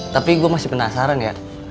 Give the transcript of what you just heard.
tapi gue masih penasaran ya